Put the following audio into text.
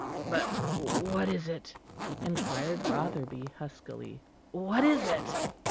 "But what is it?" inquired Rotherby huskily. "What is it?"